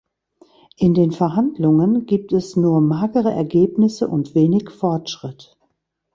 In den Verhandlungen gibt es nur magere Ergebnisse und wenig Fortschritt.